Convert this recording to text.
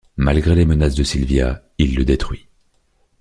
Malgré les menaces de Sylvia, il le détruit.